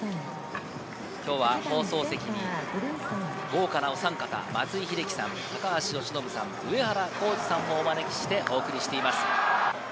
今日は放送席に豪華なお三方、松井秀喜さん、高橋由伸さん、上原浩治さんをお招きしてお送りしています。